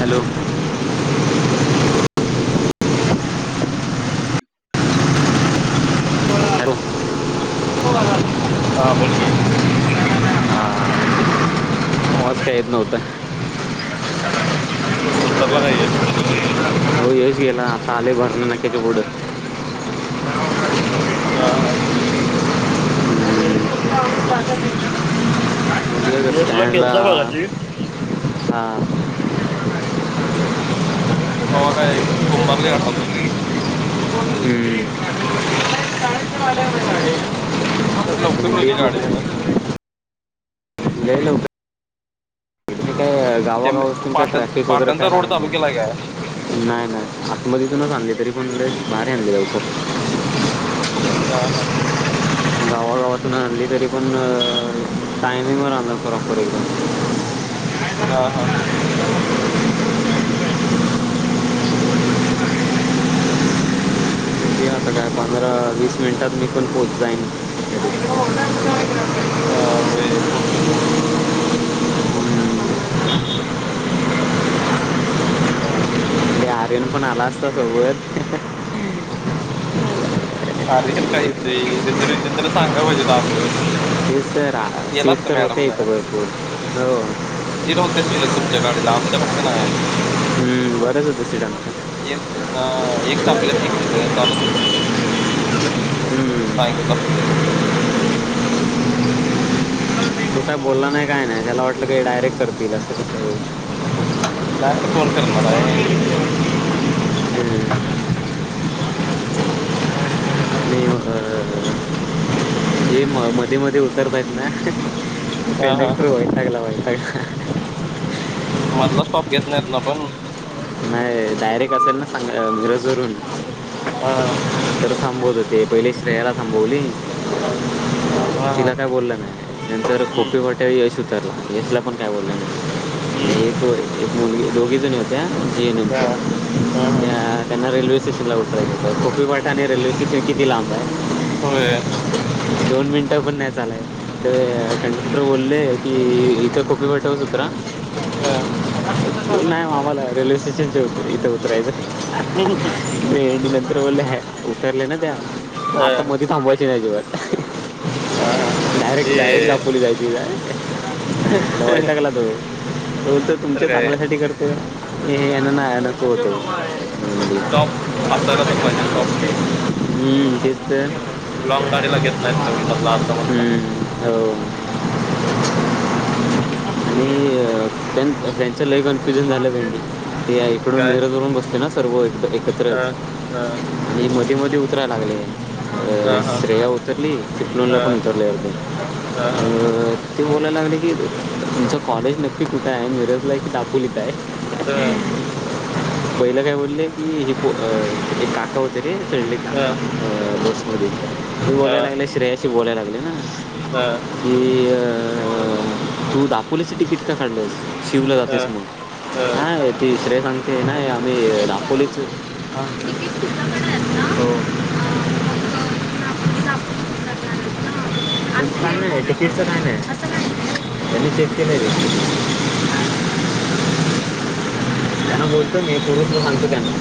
Hello [inaudible] hello हा बोल कि अवाज का येत नव्हता. [inaudible] उतरला काय यश? [inaudible] हो यश गेला असं आले बरना नाक्याच्या पुढ [inaudible] हा हा [unintelligible] [inaudible] पोहचला तो यशला स्टॅन्डला केलता मगाशी. हा [inaudible] तवा काय कुंभारली घाटात होती. [inaudible] तर लवकर नेली गाडी त्यानं दिंडीमध्ये लय लवकर [unintelligible] काय ते गावागावून काय पाटण ट्रॅफिक वगैरे पाटणचा काय रोड चालू केलाय काय? लागय नाही नाही आत मध तूनच आणली तरी ण बार लक [unintelligible] हा हा गावागावातून आणली तरी पण टायमिंगवर आल प्रॉपर एकदम हा हा आता काय पंधरा वीस मिनिटात मी पण पोहोच जाईन हा होय पोहचलं हा आर्यन पण आला असता सोबत आर्यन काय येतय रिझर्वेशन सांगाय पाहिजे होत अगोदर तेच तर आ- केला असत सीट तर होते मॅडम इथं भरपूर हो चिड होत्या शिल्लक तुमच्या गाडीला आमच्या फक्त नाही आहेत हम्म, बरंच होतं सीट आमचं एक अ एक टाकले असते तिकडे चालत हम्म. सांगितलं असतं तर कुठय बोलला नाही काय नाही त्याला वाटलं काय डायरेक्ट करतील असं कुठय डायरेक्ट कोण करणारय आणि हे अ हे मध्ये मध्ये उतरतायत ना हा हा कंडक्टर वैतागला बाई अ [unintelligible] मधला स्टॉप घेत नाहीत ना पण नाही डायरेक्ट असेल ना सांग मिरज वरून हा थांबवत होते पहिले श्रेयाला थांबवली हा हा तिला काय बोललं नाही नंतर हम्म खोपी फाट्यावर य उतरला यशला पण काय बोलला नाई हं, [unintelligible] मुली दोघी जणी होत्या हम हां, हां, हम हां. त्यां त्यांना रेल्वे स्टेशन ला उतरायच कोपीफाटा आणि रेल्वे स्टेशन किती लांबय? होय दोन मिनिटं पण नाही चालाय तर कंडक्टर बोलले की इथं खोपी फाट्यावरच उतरा हा नाही म आम्हाला रेल्वे स्टेश चनच इथं उतरायचंय हां, हे एन्ड म तर बोलले हाय उतरले न त्या आता मधी थांबायची नाय अजिबात हां, हां. ते डायरेक्ट डायरेक्ट दापोली जायची काय? [inaudible] हो तर तुमच्या चांगल्यासाठी करतोय ए नाही न तो होतो. स्टॉप असायला तर पाहिजे स्टॉप. हम्म, तेच तर लॉग गाडीला घेत नाहीत तेवढ मधलं-आधलं मधलं हम्म, हो आणि त्यांच, त्याचं लय कन्फ्युजन झालं भाई ते इकडून काय मिरजवरून बसते ना अस तर होय अ, एकत्रच अ, आणि मध्ये म ते उतराय लागले अ हां, हां, श्रेया उतरली चिपळूणला पण हां, उतरले एकजण हां, हां. अ ते बोलायला लागले की तुमचं कॉलेज नक्की कुठे आहे? मिरजला की दापोलीलीत आहे. ह पहिलं काय बोलले की हे अ एक काका होते. ते सली हं, की आ [unintelligible] तो बोलाय लागलाय श्रेयस की बोलायला लागले ना हं, की अ अं, तू दापोलीचं तीकिट का काढलंस? शिवला जातेस हं, मग. हं. तिसरे सांगते ना आम्ही दपोलीचे, हं हो दाखवून करणार आहेत काय नाही तिकीटच काय नाही, त्यांनी चेक केलंय त्यांना बोलतो मी पुरुच सांगतो त्यांना.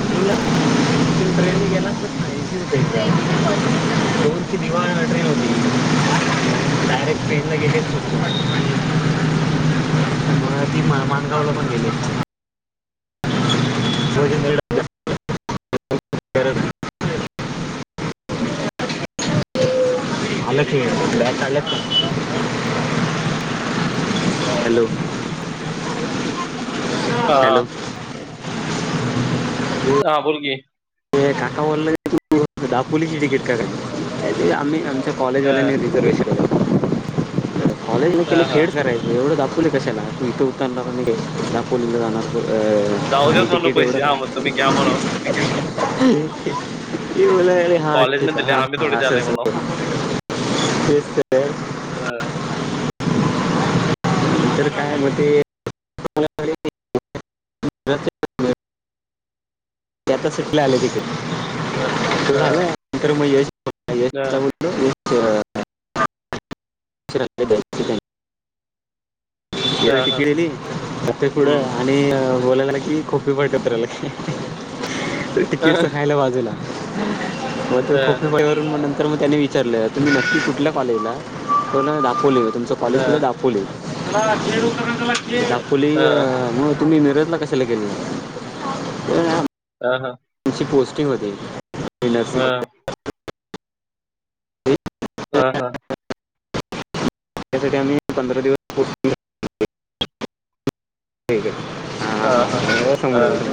ट्रेन गेला ऐंशी रुपये दिवाळ ते ट्रेन ने गेले झोप काडत. हम्म ती मान-माणगावला पण गेले. वजनदारी डब्यात करत आल खिळं, बॅग झालं का? हॅलो हां, हॅलो हां, बोल की ए, काका बोलले दापोलीची तिकीट का काढली? ते आम्ही आम कॉलेज हं, वाल्यानी रिझर्वेशन पण केलं. कॉलेज म केले हां, हां. खेड करायचं एवढं दाप पोले कशाला, तू इथं उतरणार अनी गे दापोलीला जाणार अं, जाऊ द्यात आणि म्हणलो तिकीट एवढं पैसे हां, मग तुम्ही घ्या म्हणाव. का? हा कॉलेजने दिले आम्ही थोडी हा द्यायलोय असच म्हणाव. तेच ते अ, तर काय, म ते [unintelligible] त्यात सुटले आले तिथं अ, त अ, झालं, नंतर म यश [unintelligible] यश ला अ, बोललो [inaudible] अ, तर ते हं. पुढं आणि बोलावला की [inaudible] तर हां, तिकीटचं खायला वाजेला [unintelligible] [unintelligible] हां, तर म त्यानी विचारलं तुम्ही नक्की कुठल्या कॉलेजला हाय? तो नं दाखवले हो तुमचं कॉलेज कुठय हां, दाखवले. हां [unintelligible] आपुली अ हां, मग तुम्ही मिरजला कशाला गेलेलं? हां-हां पोस्टिंग होती. हां, [unintelligible] हां-हां त्यासाठी आम्ही पंधरा दिवस [inaudible] [inaudible] [inaudible] [inaudible] [inaudible] हां, हां, हां.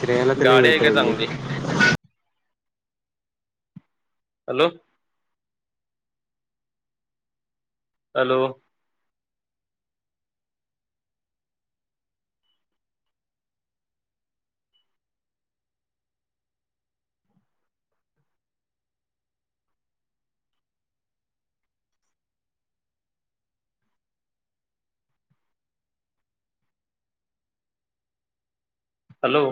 करायला तर गाडी आहे का लय चांगली? Hello hello hello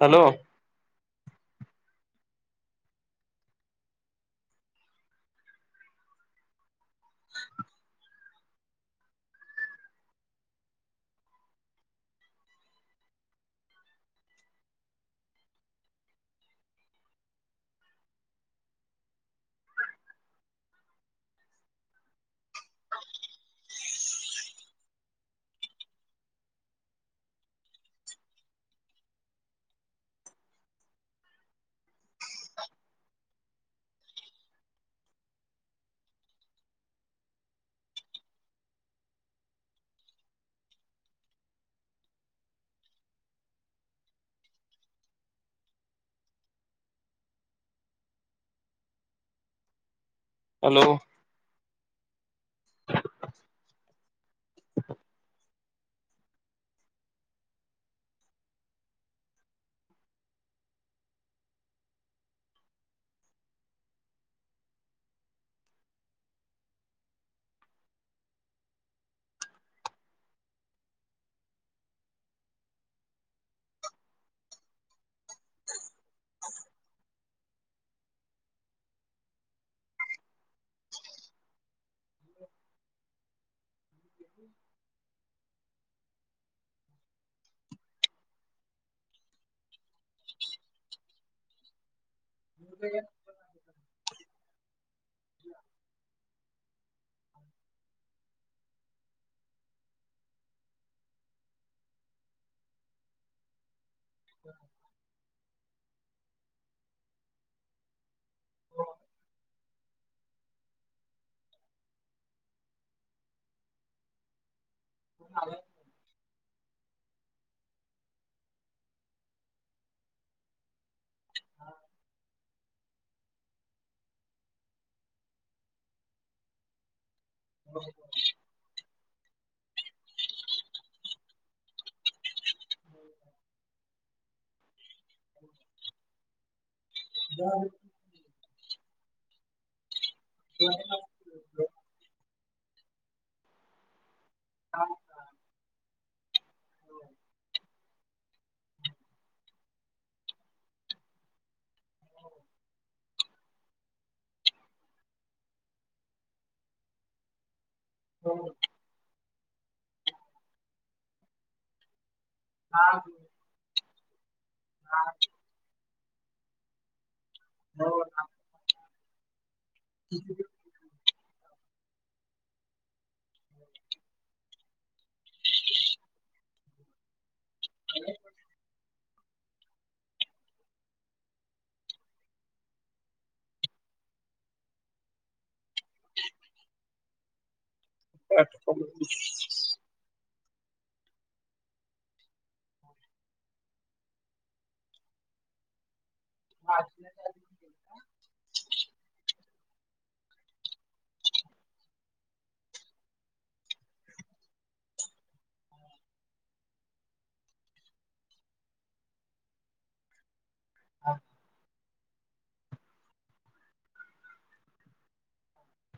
hello hello रिकामा ऑडिओ रिकामा ऑडिओ रिकामा ऑडिओ रिकामा ऑडिओ रिकामा ऑडिओ [unintelligible] रिकामा ऑडिओ [inaudible] [inaudible] [inaudible] [unintelligible] [unintelligible] [inaudible] [unintelligible] [unintelligible] हो [unintelligible] [inaudible] [inaudible] [inaudible] [inaudible] [inaudible] [unintelligible] [inaudible] [inaudible]